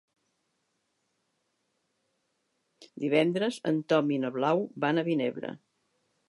Divendres en Tom i na Blau van a Vinebre.